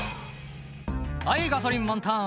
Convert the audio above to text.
「はいガソリン満タン